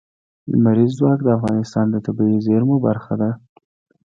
لمریز ځواک د افغانستان د طبیعي زیرمو برخه ده.